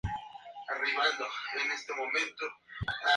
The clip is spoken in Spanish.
La isla fue mencionada por escritores clásicos como Estrabón.